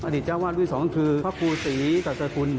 อดีตจ้าวาดวิสองคือพระครูศรีสัตวคุณ